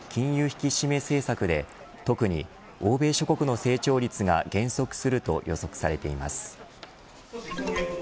引き締め政策で特に欧米諸国の成長率が減速すると予測されています。